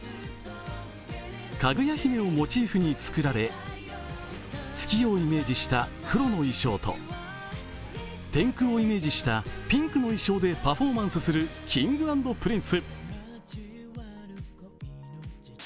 かぐや姫をモチーフに作られ、月夜をイメージした、黒の衣装と天空をイメージしたピンクの衣装でパフォーマンスするＫｉｎｇ＆Ｐｒｉｎｃｅ。